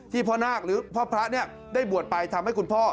พ่อนาคหรือพ่อพระได้บวชไปทำให้คุณพ่อ